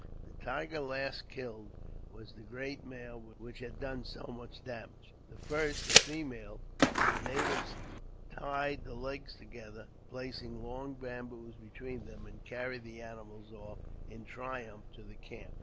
The tiger last killed was the great male which had done so much damage; the first, a female. The natives tied the legs together, placed long bamboos between them, and carried the animals off, in triumph, to the camp.